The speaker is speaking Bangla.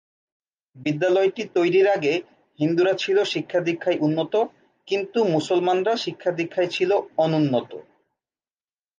বিদ্যালয়টি তৈরির আগে হিন্দুরা ছিল শিক্ষা-দীক্ষায় উন্নত কিন্তু মুসলমানরা শিক্ষা-দীক্ষায় ছিল অনুন্নত।